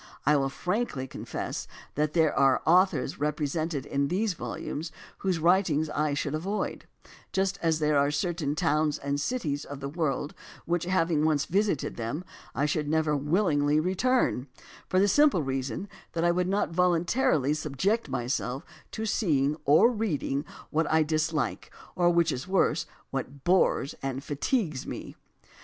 I will frankly confess that there are authors represented in these volumes whose writings I should avoid, just as there are certain towns and cities of the world to which, having once visited them, I should never willingly return, for the simple reason that I would not voluntarily subject myself to seeing or reading what I dislike, or, which is worse, what bores and fatigues me.